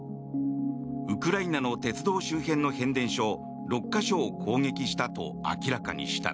ウクライナの鉄道周辺の変電所６か所を攻撃したと明らかにした。